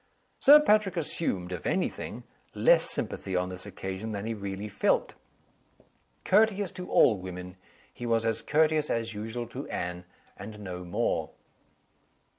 Sir Patrick assumed, if anything, less sympathy on this occasion than he really felt. Courteous to all women, he was as courteous as usual to Anne and no more.